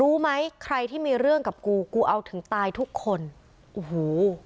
รู้ไหมใครที่มีเรื่องกับกูกูเอาถึงตายทุกคนโอ้โห